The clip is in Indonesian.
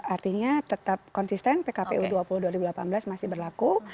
artinya tetap konsisten pkpu dua puluh dua ribu delapan belas masih berlaku